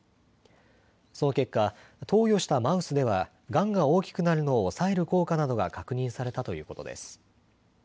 その結果、投与したマウスではがんが大きくなるのを抑える効果などが確認されたということです。